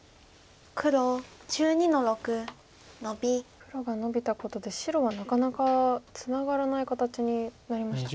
黒がノビたことで白はなかなかツナがらない形になりましたか？